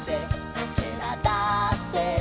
「おけらだって」